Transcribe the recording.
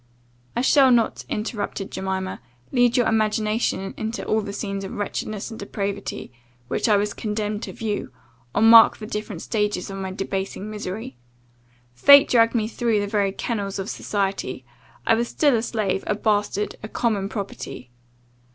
"I shall not," interrupted Jemima, "lead your imagination into all the scenes of wretchedness and depravity, which I was condemned to view; or mark the different stages of my debasing misery. Fate dragged me through the very kennels of society: I was still a slave, a bastard, a common property.